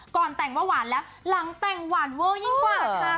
ก่อนแต่งว่าหวานแล้วหลังแต่งหวานเวอร์ยิ่งกว่าค่ะ